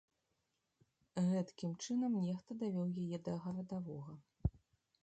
Гэткім чынам нехта давёў яе да гарадавога.